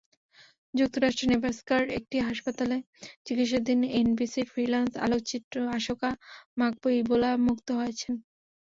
যুক্তরাষ্ট্রের নেব্রাস্কার একটি হাসপাতালে চিকিৎসাধীন এনবিসির ফ্রিল্যান্স আলোকচিত্রী অশোকা মাকপো ইবোলামুক্ত হয়েছেন।